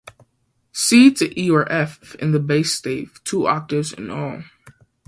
C to E or F in the bass stave, two octaves in all.